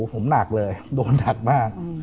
ผมหนักเลยโดนหนักมาก